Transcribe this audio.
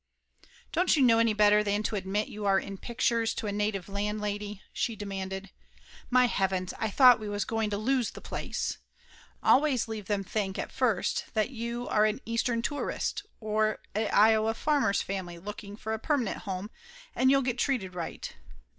"Don't you know any better than to admit you are in pictures to a native landlady ?" she demanded. "My heavens, I thought we was going to lose the place! Always leave them think at first that you are a East ern tourist or a Iowa farmer's family looking for a permanent home, and you'll get treated right.